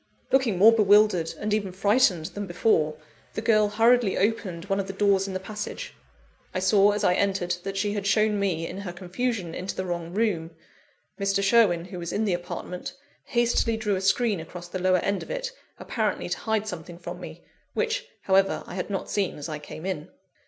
Looking more bewildered, and even frightened, than before, the girl hurriedly opened one of the doors in the passage. I saw, as I entered, that she had shown me, in her confusion, into the wrong room. Mr. Sherwin, who was in the apartment, hastily drew a screen across the lower end of it, apparently to hide something from me; which, however, I had not seen as I came in.